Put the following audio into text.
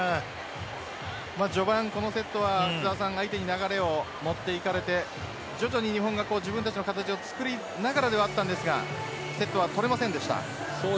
序盤、このセットは相手に流れを持っていかれて徐々に日本が自分たちの形を作りながらではありましたがセットは取れませんでした。